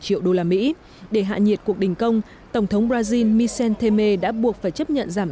triệu usd để hạ nhiệt cuộc đình công tổng thống brazil michel temer đã buộc phải chấp nhận giảm